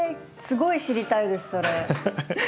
すごい知りたいですそれ。